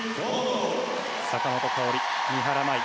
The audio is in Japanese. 坂本花織、三原舞依